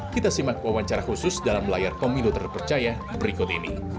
kita simak wawancara khusus dalam layar pemilu terpercaya berikut ini